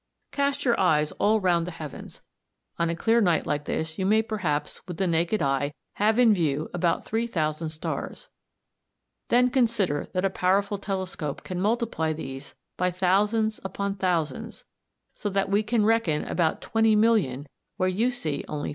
Cast your eyes all round the heavens. On a clear night like this you may perhaps, with the naked eye, have in view about 3000 stars; then consider that a powerful telescope can multiply these by thousands upon thousands, so that we can reckon about 20,000,000 where you see only 3000.